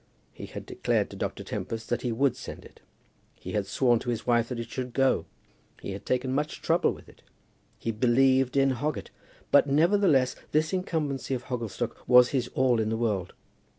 He had declared to Dr. Tempest that he would send it. He had sworn to his wife that it should go. He had taken much trouble with it. He believed in Hoggett. But, nevertheless, this incumbency of Hogglestock was his all in the world.